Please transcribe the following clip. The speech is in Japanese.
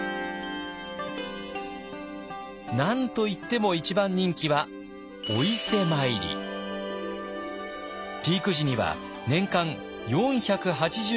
何といっても一番人気はピーク時には年間４８０万人以上。